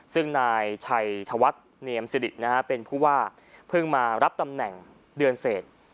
ซึ่งนายชัยธวัฒน์เนียมสิริเป็นผู้ว่าเพิ่งมารับตำแหน่งเดือนเสร็จ